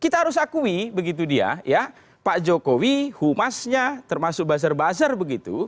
kita harus akui begitu dia ya pak jokowi humasnya termasuk buzzer buzzer begitu